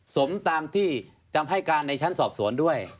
สมตามที่จำให้การในชั้นสอบสวนด้วย